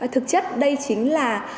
thực chất đây chính là